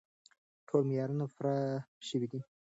ټول معیارونه پوره شوي دي.